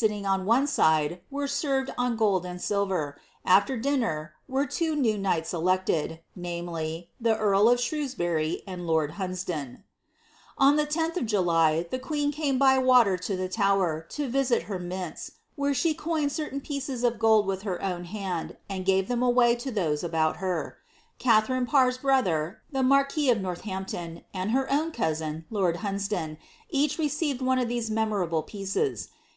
Bitting on one side, were «ervei) on gold and silver. Aller dinner, were two new knights elected — »iz., the earl of Shrewsbury «nd lord Hunsdon."' On the lOih of July, the queen canie by waler to the Tower, to irisil her mints, where ehe coined cer' '""■"— of gold with her own luiad, and gave them away to those ab Katharine Parr's brother, ilie marquis of Norlhanipion, and <Yvn tousin, lord Iluiiadun, each re ceived one of these meinorabU is.